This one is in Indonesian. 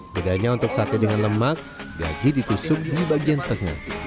bedanya untuk sate dengan lemak gaji ditusuk di bagian tengah